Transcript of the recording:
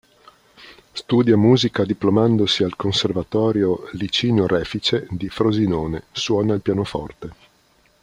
Studia musica diplomandosi al Conservatorio Licinio Refice di Frosinone, suona il pianoforte.